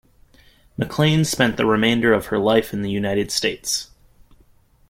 MacLane spent the remainder of her life in the United States.